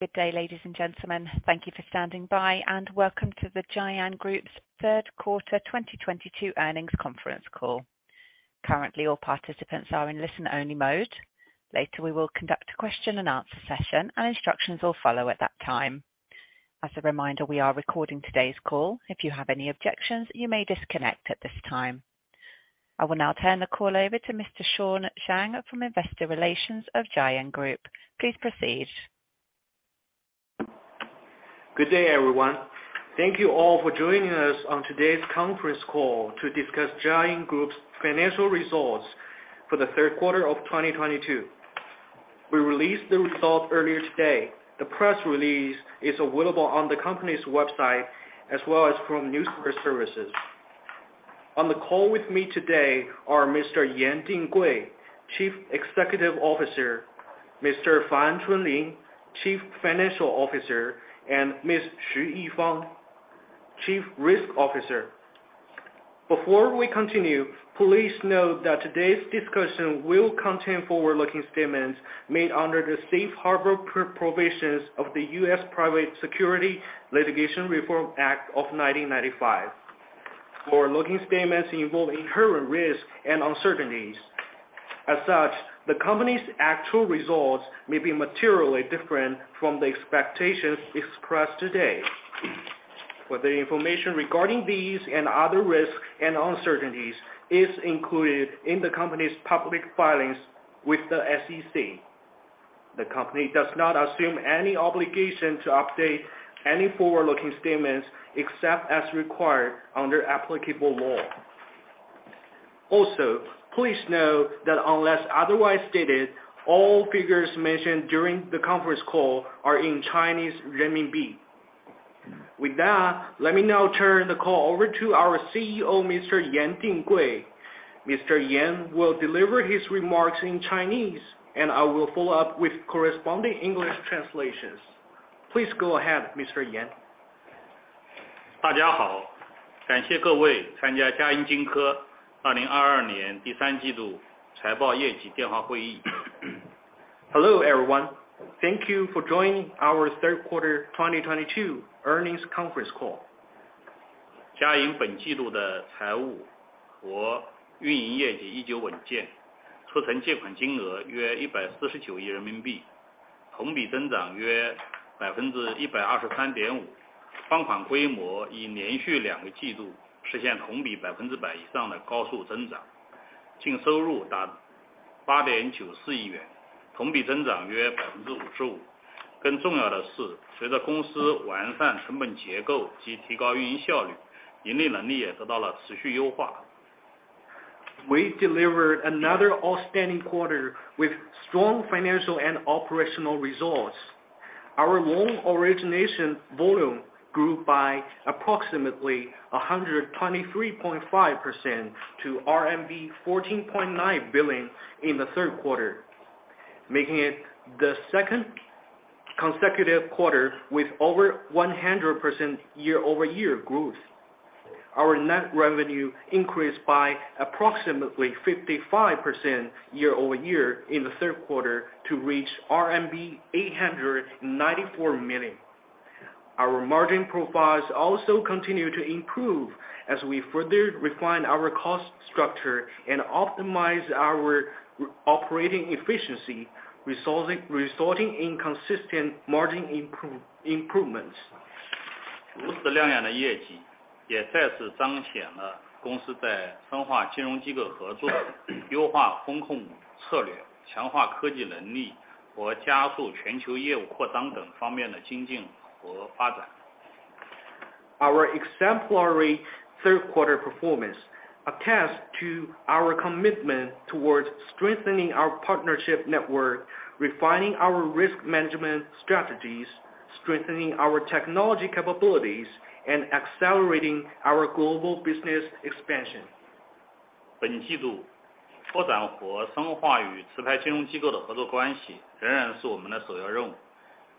Good day, ladies and gentlemen. Thank you for standing by. Welcome to the Jiayin Group's Q3 2022 earnings conference call. Currently, all participants are in listen-only mode. Later, we will conduct a question-and-answer session. Instructions will follow at that time. As a reminder, we are recording today's call. If you have any objections, you may disconnect at this time. I will now turn the call over to Mr. Shawn Zhang from Investor Relations of Jiayin Group. Please proceed. Good day, everyone. Thank you all for joining us on today's conference call to discuss Jiayin Group's financial results for the Q3 of 2022. We released the results earlier today. The press release is available on the company's website, as well as from news services. On the call with me today are Mr. Yan Dinggui, Chief Executive Officer, Mr. Fan Chunlin, Chief Financial Officer, and Ms. Xu Yifang, Chief Risk Officer. Before we continue, please note that today's discussion will contain forward-looking statements made under the Safe Harbor Provisions of the U.S. Private Securities Litigation Reform Act of 1995. Forward-looking statements involve inherent risks and uncertainties. As such, the company's actual results may be materially different from the expectations expressed today. Further information regarding these and other risks and uncertainties is included in the company's public filings with the SEC. The company does not assume any obligation to update any forward-looking statements except as required under applicable law. Please note that unless otherwise stated, all figures mentioned during the conference call are in Chinese renminbi. With that, let me now turn the call over to our CEO, Mr. Yan Dinggui. Mr. Yan will deliver his remarks in Chinese, and I will follow up with corresponding English translations. Please go ahead, Mr. Yan. Hello, everyone. Thank you for joining our Q3 2022 earnings conference call. We delivered another outstanding quarter with strong financial and operational results. Our loan origination volume grew by approximately 123.5% to RMB 14.9 billion in the Q3, making it the second consecutive quarter with over 100% year-over-year growth. Our net revenue increased by approximately 55% year-over-year in the Q3 to reach RMB 894 million. Our margin profiles also continue to improve as we further refine our cost structure and optimize our operating efficiency, resorting in consistent margin improvements. Our exemplary Q3 performance attests to our commitment towards strengthening our partnership network, refining our risk management strategies, strengthening our technology capabilities, and accelerating our global business expansion. In the Q3,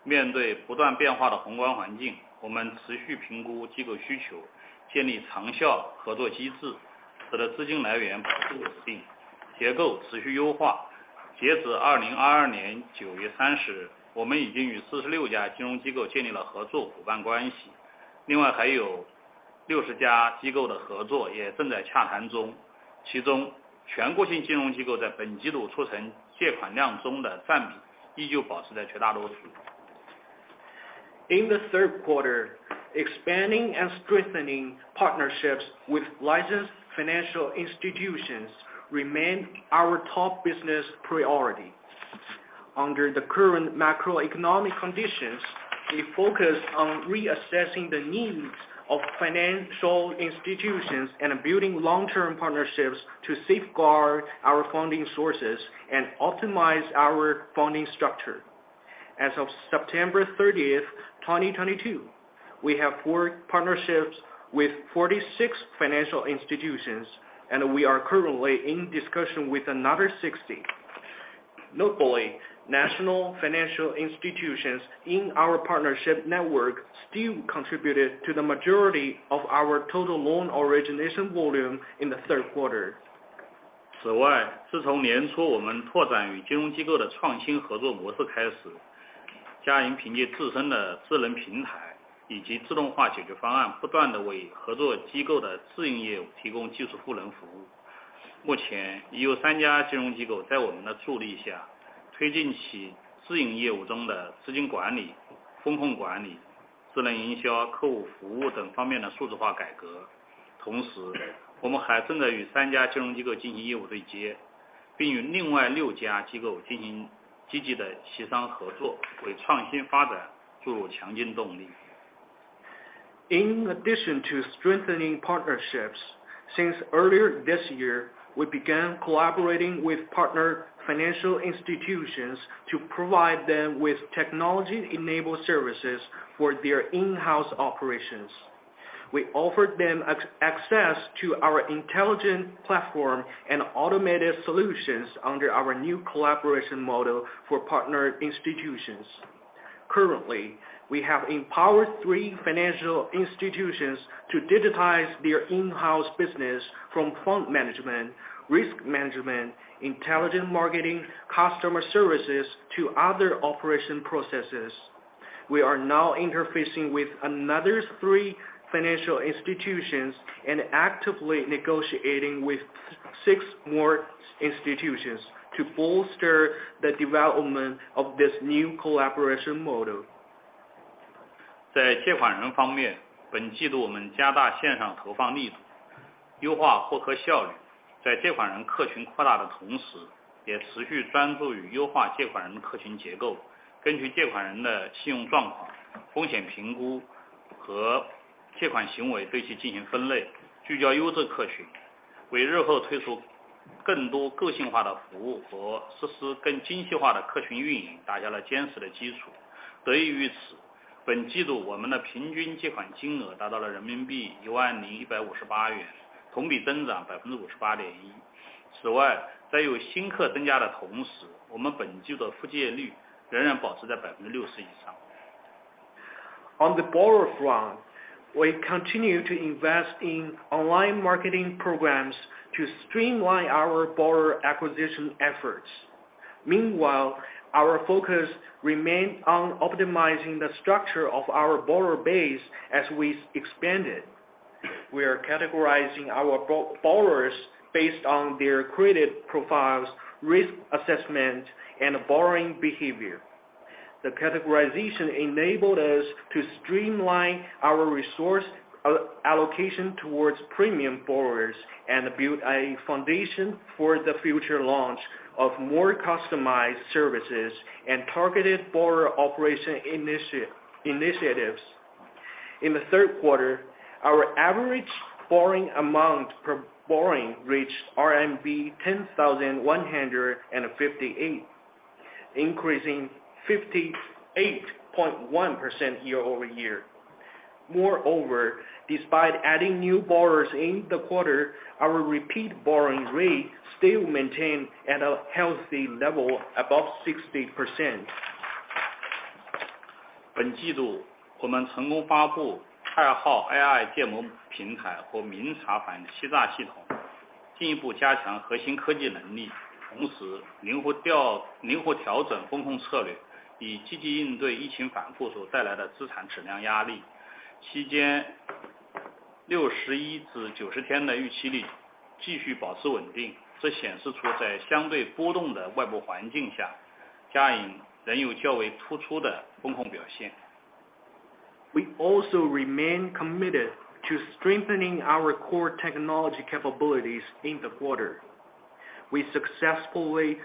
expanding and strengthening partnerships with licensed financial institutions remained our top business priority. Under the current macroeconomic conditions, we focus on reassessing the needs of financial institutions and building long-term partnerships to safeguard our funding sources and optimize our funding structure. As of September 30th, 2022, we have forged partnerships with 46 financial institutions, and we are currently in discussion with another 60. Notably, national financial institutions in our partnership network still contributed to the majority of our total loan origination volume in the Q3. 此 外， 自从年初我们拓展与金融机构的创新合作模式开 始， 嘉银凭借自身的智能平台以及自动化解决方 案， 不断地为合作机构的自营业务提供技术赋能服务。目前已有三家金融机构在我们的助力 下， 推进其自营业务中的资金管理、风控管理、智能营销、客户服务等方面的数字化改革。同 时， 我们还正在与三家金融机构进行业务对 接， 并与另外六家机构进行积极的协商合 作， 为创新发展注入强劲动力。In addition to strengthening partnerships, since early this year, we began collaborating with partner financial institutions to provide them with technology enabled services for their in-house operations. We offered them access to our intelligent platform and automated solutions under our new collaboration model for partner institutions. Currently, we have empowered 3 financial institutions to digitize their in-house business from front management, risk management, intelligent marketing, customer services to other operation processes. We are now interfacing with another 3 financial institutions and actively negotiating with 6 more institutions to bolster the development of this new collaboration model. 在借款人方 面， 本季度我们加大线上投放力 度， 优化获客效率。在借款人客群扩大的同 时， 也持续专注于优化借款人的客群结 构， 根据借款人的信用状况、风险评估和借款行为对其进行分 类， 聚焦优质客 群， 为日后推出更多个性化的服务和实施更精细化的客群运营打下了坚实的基础。得益于 此， 本季度我们的平均借款金额达到了 RMB 10,158， 同比增长 58.1%。此 外， 在有新客增加的同 时， 我们本季的复借率仍然保持在 60% 以上。On the borrower front, we continue to invest in online marketing programs to streamline our borrower acquisition efforts. Meanwhile, our focus remains on optimizing the structure of our borrower base as we expand it. We are categorizing our borrowers based on their credit profiles, risk assessment, and borrowing behavior. The categorization enabled us to streamline our resource allocation towards premium borrowers and build a foundation for the future launch of more customized services and targeted borrower operation initiatives. In the Q3, our average borrowing amount per borrowing reached RMB 10,158, increasing 58.1% year-over-year. Moreover, despite adding new borrowers in the quarter, our repeat borrowing rate still maintained at a healthy level above 60%. 本季度我们成功发布 Taihao AI modeling platform 和 Mingcha anti-fraud system, 进一步加强核心科技能 力, 同时灵活调整风控策 略, 以积极应对疫情反复所带来的资产质量压 力. 期间61 to 90 day delinquency rate 继续保持稳 定, 这显示出在相对波动的外部环境 下, Jiayin 仍有较为突出的风控表 现. We also remain committed to strengthening our core technology capabilities in the quarter. We successfully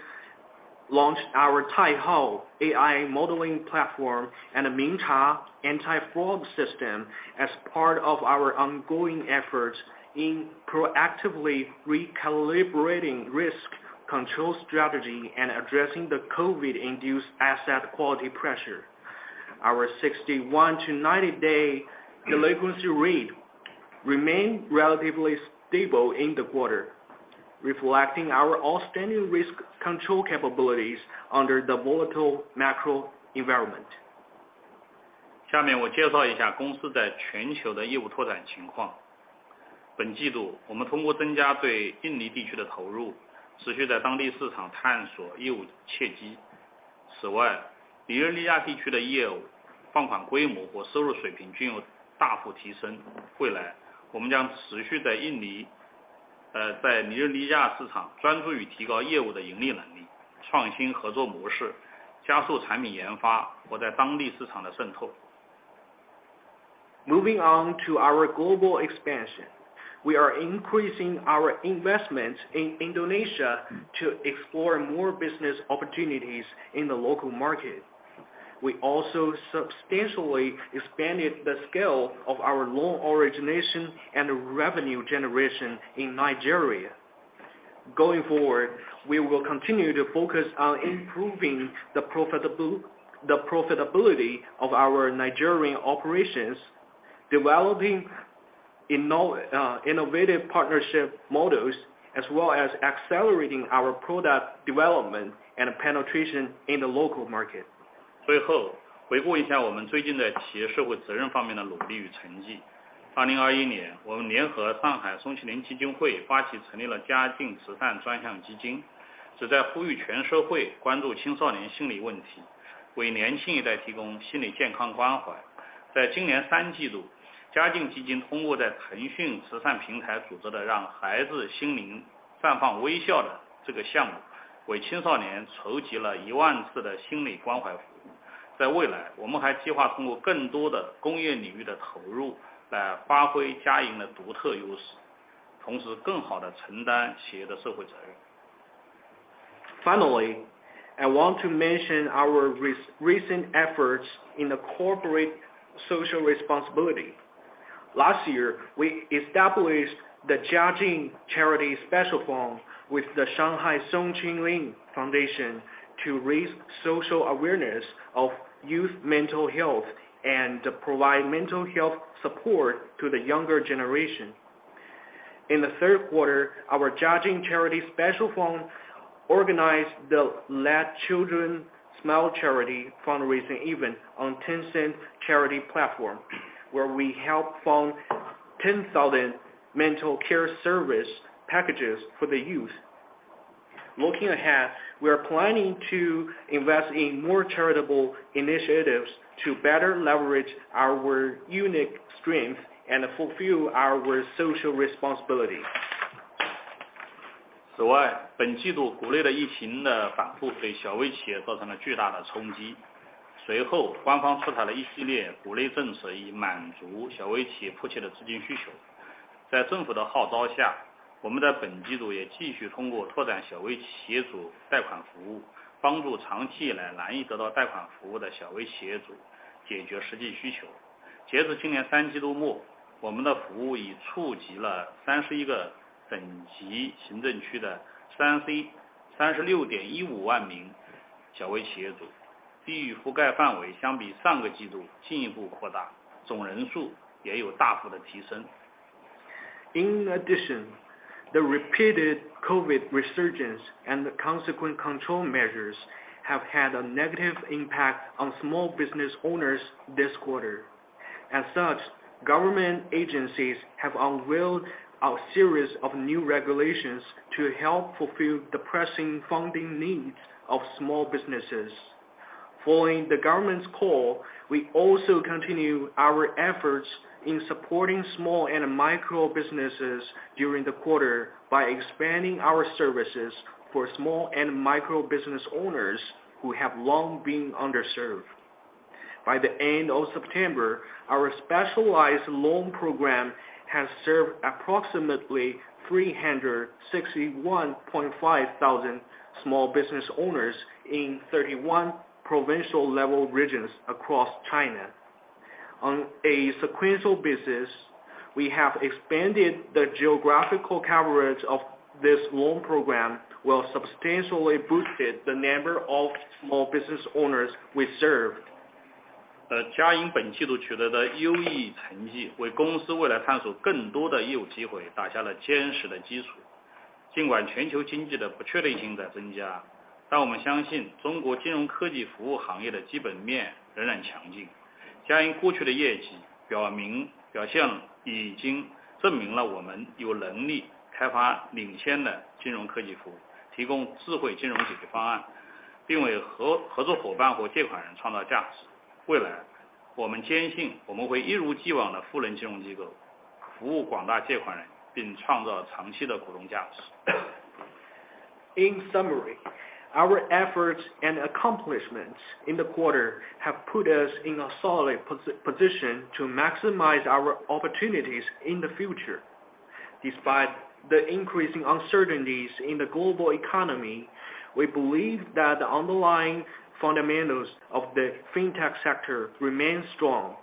launched our Taihao AI modeling platform and Mingcha anti-fraud system as part of our ongoing efforts in proactively recalibrating risk control strategy and addressing the COVID induced asset quality pressure. Our 61 to 90 day delinquency rate remained relatively stable in the quarter, reflecting our outstanding risk control capabilities under the volatile macro environment. 下面我介绍一下公司在全球的业务拓展情 况. 本季 度， 我们通过增加对印尼地区的投 入， 持续在当地市场探索业务切 机. 此 外， 尼日利亚地区的业务放款规模和收入水平均有大幅提 升. 未来我们将持续在印尼，在尼日利亚市场专注于提高业务的盈利能 力， 创新合作模 式， 加速产品研发和在当地市场的渗 透. Moving on to our global expansion. We are increasing our investment in Indonesia to explore more business opportunities in the local market. We also substantially expanded the scale of our loan origination and revenue generation in Nigeria. Going forward, we will continue to focus on improving the profitability of our Nigerian operations, developing innovative partnership models, as well as accelerating our product development and penetration in the local market. 最 后， 回顾一下我们最近在企业社会责任方面的努力与成绩。2021 年， 我们联合上海宋庆龄基金会发起成立了嘉进慈善专项基 金， 旨在呼吁全社会关注青少年心理问 题， 为年轻一代提供心理健康关怀。在今年三季 度， 嘉进基金通过在腾讯慈善平台组织的让孩子心灵绽放微笑的这个项 目， 为青少年筹集了 10,000 次的心理关怀服务。在未 来， 我们还计划通过更多的工业领域的投入来发挥嘉银的独特优 势， 同时更好地承担企业的社会责任。Finally, I want to mention our recent efforts in the corporate social responsibility. Last year, we established the Jiajin Charity Special Fund with the Shanghai Soong Ching Ling Foundation to raise social awareness of youth mental health and provide mental health support to the younger generation. In the Q3, our Jiajin Charity Special Fund organized the Let Children Smile charity fundraising event on Tencent Charity platform, where we help fund 10,000 mental care service packages for the youth. Looking ahead, we are planning to invest in more charitable initiatives to better leverage our unique strengths and fulfill our social responsibility。此 外， 本季度国内的疫情的反复给小微企业造成了巨大的冲击。随后官方出台了一系列鼓励政 策， 以满足小微企业迫切的资金需求。在政府的号召 下， 我们在本季度也继续通过拓展小微企业主贷款服 务， 帮助长期以来难以得到贷款服务的小微企业主解决实际需求。截至今年三季度 末， 我们的服务已触及了三十一个省级行政区的 3C 三十六点一五万名小微企业 主， 地域覆盖范围相比上个季度进一步扩 大， 总人数也有大幅的提升。In addition, the repeated COVID resurgence and the consequent control measures have had a negative impact on small business owners this quarter. Government agencies have unveiled a series of new regulations to help fulfill the pressing funding needs of small businesses. Following the government's call, we also continue our efforts in supporting small and micro businesses during the quarter by expanding our services for small and micro business owners who have long been underserved. By the end of September, our specialized loan program has served approximately 361.5 thousand small business owners in 31 provincial level regions across China. On a sequential basis, we have expanded the geographical coverage of this loan program, while substantially boosted the number of small business owners we served. 嘉银本季度取得的优异成 绩， 为公司未来探索更多的业务机会打下了坚实的基础。尽管全球经济的不确定性在增 加， 但我们相信中国金融科技服务行业的基本面仍然强劲。嘉银过去的业绩表 明， 表现已经证明了我们有能力开发领先的金融科技服 务， 提供智慧金融解决方 案， 并为合作伙伴和借款人创造价值。未 来， 我们坚信我们会一如既往地赋能金融机 构， 服务广大借款 人， 并创造长期的股东价值。In summary, our efforts and accomplishments in the quarter have put us in a solid position to maximize our opportunities in the future. Despite the increasing uncertainties in the global economy, we believe that the underlying fundamentals of the Fintech sector remain strong.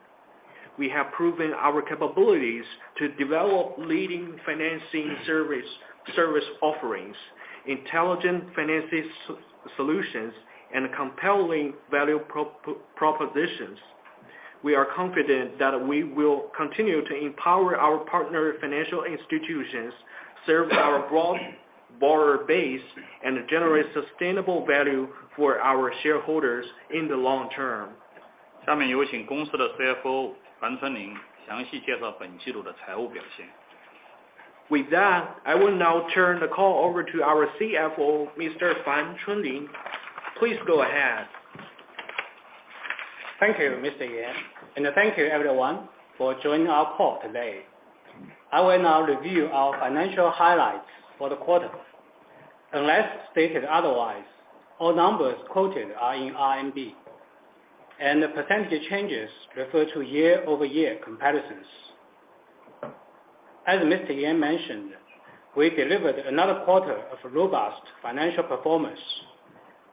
We have proven our capabilities to develop leading financing service offerings, intelligent financing solutions, and compelling value propositions. We are confident that we will continue to empower our partner financial institutions, serve our broad borrower base, and generate sustainable value for our shareholders in the long term。下面有请公司的 CFO 樊春宁详细介绍本季度的财务表现。With that, I will now turn the call over to our CFO, Mr. Fan Chunlin, please go ahead. Thank you Mr. Yan. Thank you everyone for joining our call today. I will now review our financial highlights for the quarter. Unless stated otherwise, all numbers quoted are in RMB and the percentage changes refer to year-over-year comparisons. As Mr. Yan mentioned, we delivered another quarter of robust financial performance.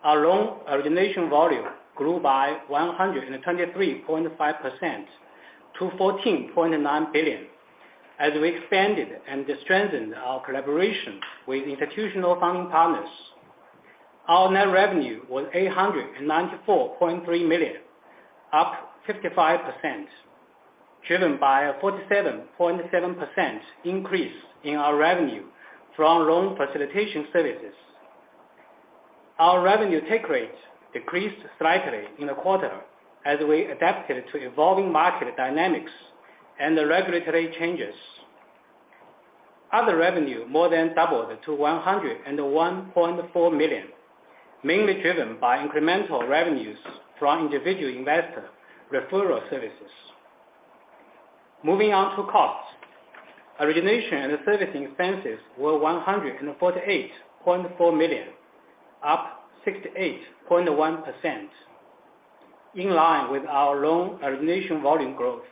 Our loan origination volume grew by 123.5% to 14.9 billion. As we expanded and strengthened our collaboration with institutional funding partners, our net revenue was 894.3 million, up 55%, driven by a 47.7% increase in our revenue from loan facilitation services. Our revenue take rates decreased slightly in the quarter as we adapted to evolving market dynamics and the regulatory changes. Other revenue more than doubled to 101.4 million, mainly driven by incremental revenues from individual investor referral services. Moving on to costs. Origination and servicing expenses were 148.4 million, up 68.1%, in line with our loan origination volume growth.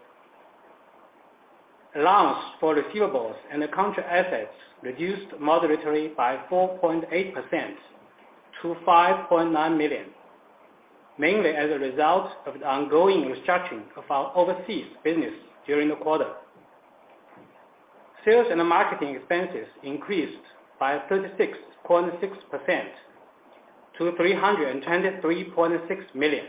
Allowance for receivables and the counter assets reduced moderately by 4.8% to 5.9 million, mainly as a result of the ongoing restructuring of our overseas business during the quarter. Sales and marketing expenses increased by 36.6% to 323.6 million,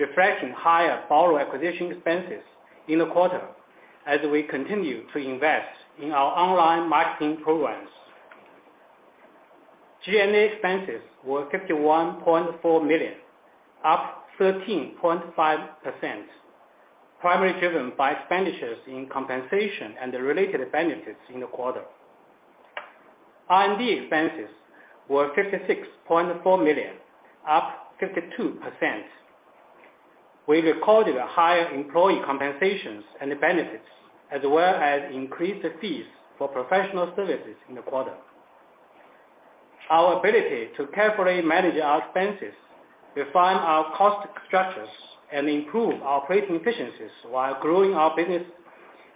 reflecting higher borrower acquisition expenses in the quarter as we continue to invest in our online marketing programs. G&A expenses were 51.4 million, up 13.5%, primarily driven by expenditures in compensation and the related benefits in the quarter. R&D expenses were 56.4 million, up 52%. We recorded higher employee compensations and benefits as well as increased fees for professional services in the quarter. Our ability to carefully manage our expenses, refine our cost structures, and improve our operating efficiencies while growing our business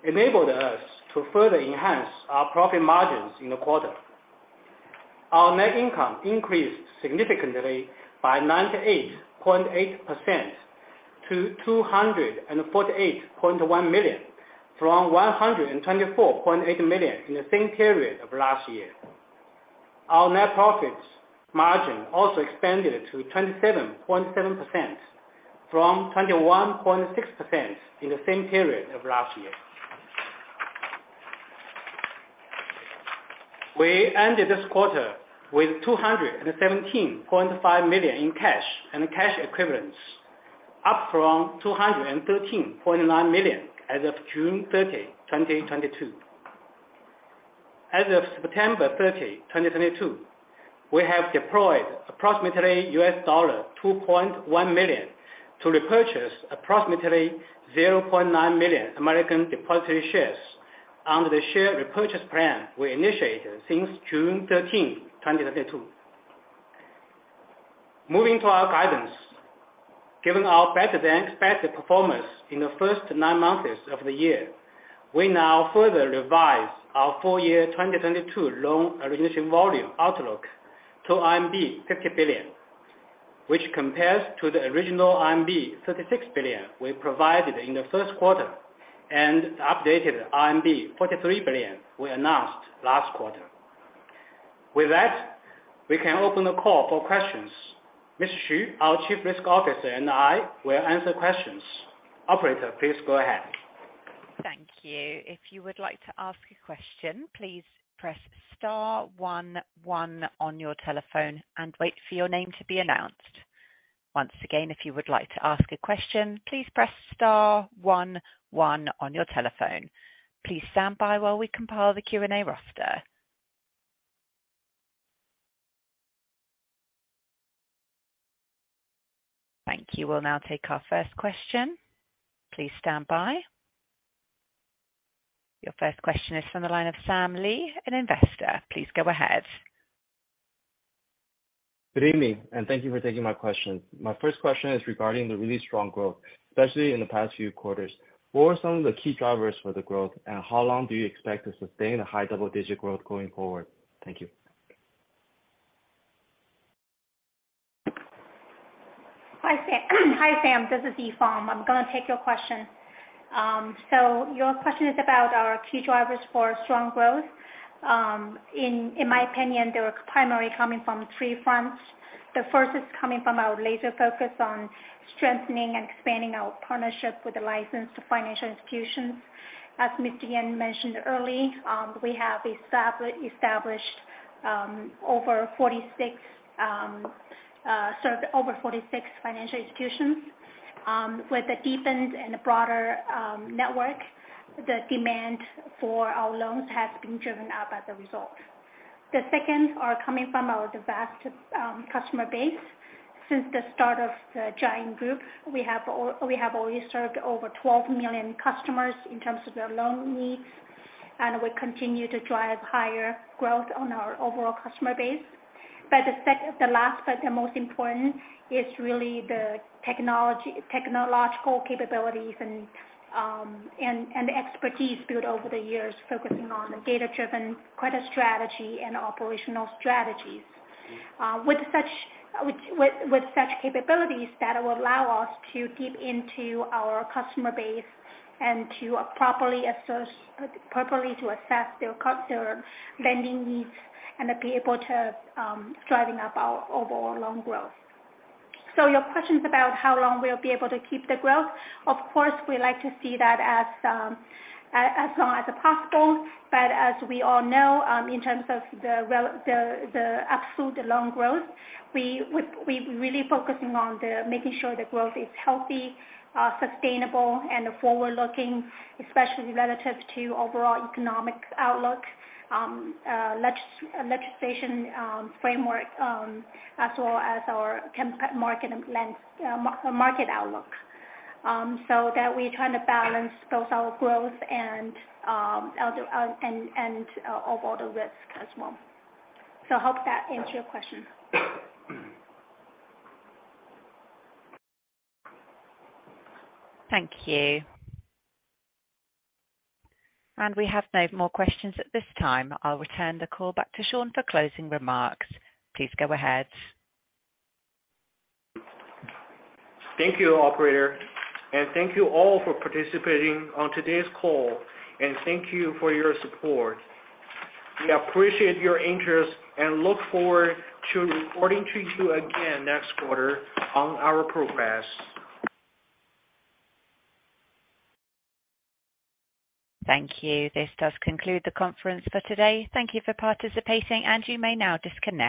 enabled us to further enhance our profit margins in the quarter. Our net income increased significantly by 98.8% to 248.1 million, from 124.8 million in the same period of last year. Our net profits margin also expanded to 27.7% from 21.6% in the same period of last year. We ended this quarter with 217.5 million in cash and cash equivalents, up from 213.9 million as of June 30, 2022. As of September 30, 2022, we have deployed approximately $2.1 million to repurchase approximately 0.9 million American depositary shares under the share repurchase plan we initiated since June 13, 2022. Moving to our guidance. Given our better than expected performance in the first nine months of the year, we now further revise our full year 2022 loan origination volume outlook to 50 billion, which compares to the original 36 billion we provided in the Q1, and the updated 43 billion we announced last quarter. With that, we can open the call for questions. Ms. Xu, our Chief Risk Officer, and I will answer questions. Operator, please go ahead. Thank you. If you would like to ask a question, please press star one one on your telephone and wait for your name to be announced. Once again, if you would like to ask a question, please press star one one on your telephone. Please stand by while we compile the Q&A roster. Thank you. We'll now take our first question. Please stand by. Your first question is from the line of Sam Lee, an investor. Please go ahead. Good evening. Thank you for taking my question. My first question is regarding the really strong growth, especially in the past few quarters. What were some of the key drivers for the growth, and how long do you expect to sustain the high double-digit growth going forward? Thank you. Hi, Sam. This is Yifang. I'm gonna take your question. Your question is about our key drivers for strong growth. In my opinion, they were primarily coming from three fronts. The first is coming from our laser focus on strengthening and expanding our partnership with the licensed financial institutions. As Mr. Yan mentioned early, we have served over 46 financial institutions with a deepened and a broader network. The demand for our loans has been driven up as a result. The second are coming from our vast customer base. Since the start of the Jiayin Group, we have already served over 12 million customers in terms of their loan needs, and we continue to drive higher growth on our overall customer base. The last but the most important is really the technology, technological capabilities and the expertise built over the years focusing on data-driven credit strategy and operational strategies. With such capabilities that will allow us to dig into our customer base and to properly assess their lending needs and be able to driving up our overall loan growth. Your question's about how long we'll be able to keep the growth. Of course, we like to see that as long as possible. As we all know, in terms of the absolute loan growth, we're really focusing on making sure the growth is healthy, sustainable, and forward-looking, especially relative to overall economic outlook, legislation framework, as well as our market and lens, market outlook, so that we try to balance both our growth and overall the risk as well. I hope that answered your question. Thank you. We have no more questions at this time. I'll return the call back to Shawn for closing remarks. Please go ahead. Thank you, operator. Thank you all for participating on today's call, and thank you for your support. We appreciate your interest and look forward to reporting to you again next quarter on our progress. Thank you. This does conclude the conference for today. Thank you for participating, and you may now disconnect.